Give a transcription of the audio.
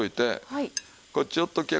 「こっち寄っときや。